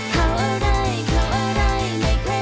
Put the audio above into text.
สามารถรับชมได้ทุกวัย